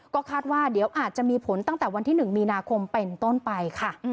ก็คาดว่าเดี๋ยวอาจจะมีผลตั้งแต่วันที่๑มีนาคมเป็นต้นไปค่ะ